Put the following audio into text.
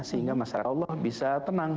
sehingga masya allah bisa tenang